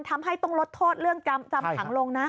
ทำให้ต้องลดโทษเรื่องจำขังลงนะ